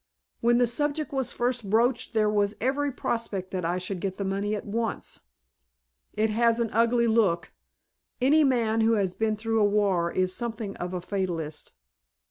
When the subject was first broached there was every prospect that I should get the money at once. It has an ugly look. Any man who has been through a war is something of a fatalist."